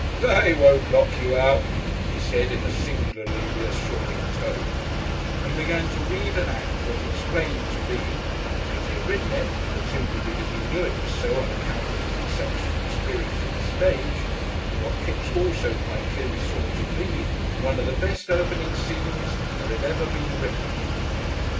"They won't lock you out," he said, in a singularly reassuring tone, and began to read and act what he explained to be (not because he had written it, but simply because he knew it was so on account of his exceptional experience of the stage) and what Kipps also quite clearly saw to be, one of the best opening scenes that had ever been written.